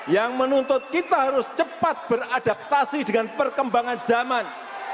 yang menuntut kita harus cepat beradaptasi dengan perkembangan zaman